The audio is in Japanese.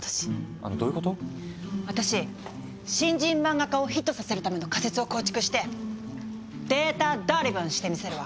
私新人漫画家をヒットさせるための仮説を構築してデータドリブンしてみせるわ。